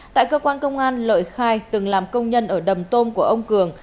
tại cơ quan công an lợi khai từng làm công nhân ở đầm tôm của ông cường